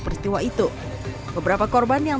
peristiwa itu beberapa korban yang